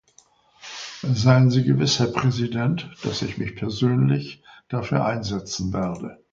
Seien Sie gewiss, Herr Präsident, dass ich mich persönlich dafür einsetzen werde.